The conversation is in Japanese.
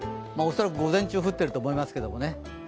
恐らく午前中降っていると思いますけどね。